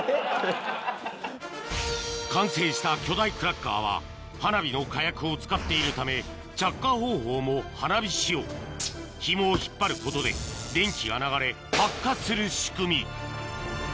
完成した巨大クラッカーは花火の火薬を使っているため着火方法も花火仕様ひもを引っ張ることで電気が流れ発火する仕組み